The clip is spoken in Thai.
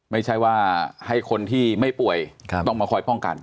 ไม่ใช่ว่าให้คนที่ไม่ป่วยต้องมาคอยป้องกัน